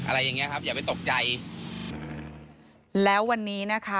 อะไรอย่างเงี้ครับอย่าไปตกใจแล้ววันนี้นะคะ